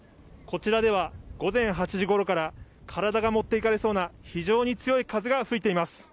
こちらでは午前８時ごろから、体が持っていかれそうな非常に強い風が吹いています。